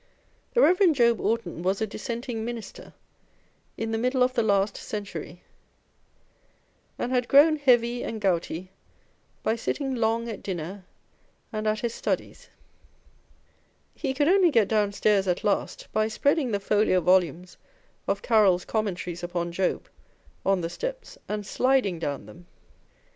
The Rev. Job Orton was a Dissenting Minister in the middle of the last century, and had grown heavy and gouty by sitting long at dinner and at his studies. He 416 On Old English Writers and Speakers. could only get downstairs at last by spreading the folio volumes of Caryl's Commentaries upon Job on the steps and sliding down them.